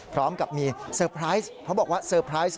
พร้อมกับมีเซอร์ไพรส์เขาบอกว่าเซอร์ไพรส์